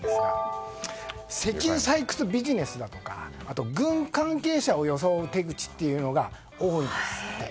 石油採掘ビジネスとかあと軍関係者を装う手口が多いんですって。